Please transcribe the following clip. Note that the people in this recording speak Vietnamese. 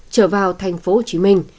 trở vào thành phố hồ chí minh